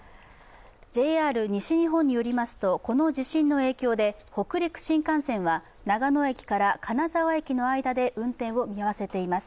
ＪＲ西日本によりますとこの地震の影響で北陸新幹線は長野駅から金沢駅の間で運転を見合わせています。